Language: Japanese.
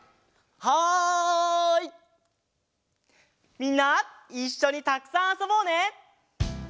みんないっしょにたくさんあそぼうね！